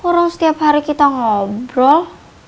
kurang setiap hari kita ngobrol